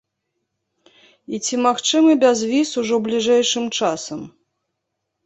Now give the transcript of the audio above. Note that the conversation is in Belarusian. І ці магчымы бязвіз ужо бліжэйшым часам?